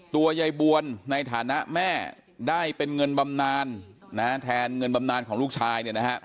ตัวยายบวนในฐานะแม่ได้เป็นเงินบำนานแทนเงินบำนานของลูกชายเนี่ยนะฮะ